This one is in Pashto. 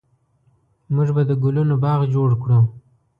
موږ به د ګلونو باغ جوړ کړو